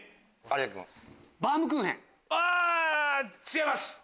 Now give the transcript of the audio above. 違います。